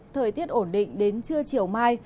thời tiết ổn định đến trưa chiều mai